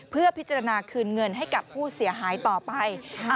เพื่อพิจารณาคืนเงินให้กับผู้เสียหายต่อไป